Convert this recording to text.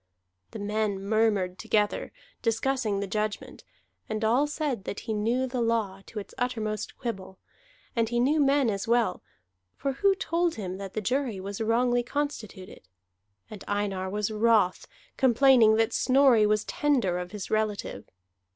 Then men murmured together, discussing the judgment; and all said that he knew the law to its uttermost quibble, and he knew men as well, for who told him that the jury was wrongly constituted? And Einar was wroth, complaining that Snorri was tender of his relative.